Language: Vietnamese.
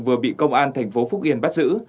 vừa bị công an tp phúc yên bắt giữ